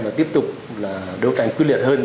và tiếp tục là đấu tranh quyết liệt hơn